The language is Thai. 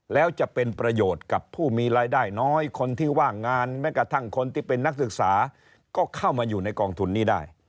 แม้กระทั่งคนที่เป็นนักศึกษาก็เข้ามาอยู่ในกองทุนนี้ได้